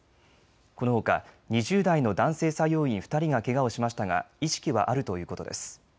このほか２０代の男性作業員２人がけがをしましたが意識はあるということです。